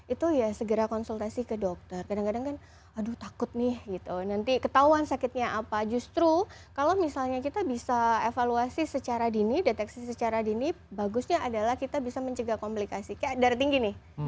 itu ya segera konsultasi ke dokter kadang kadang kan aduh takut nih nanti ketahuan sakitnya apa justru kalau misalnya kita bisa evaluasi secara dini deteksi secara dini bagusnya adalah kita bisa mencegah komplikasi kayak darah tinggi nih